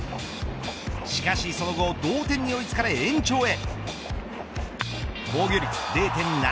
しかしその後同点に追いつかれ延長へ。